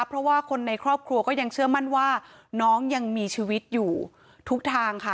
เพราะว่าคนในครอบครัวก็ยังเชื่อมั่นว่าน้องยังมีชีวิตอยู่ทุกทางค่ะ